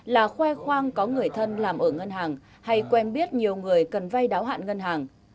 là khoe khoang có người thân làm ở ngân hàng hay quen biết nhiều người cần vay đáo hạn ngân hàng